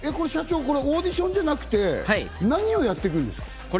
オーディションじゃなくて、何をやっていくんですか？